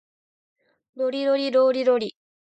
ロリロリローリロリ